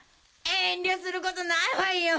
遠慮することないわよ！